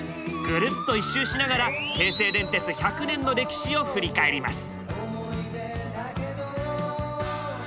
ぐるっと１周しながら京成電鉄１００年の歴史を振り返ります。